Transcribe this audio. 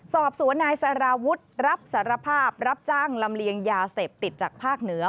สอบสวนนายสารวุฒิรับสารภาพรับจ้างลำเลียงยาเสพติดจากภาคเหนือ